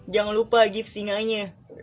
jangan lupa gift singanya